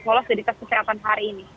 lolos dari tes kesehatan hari ini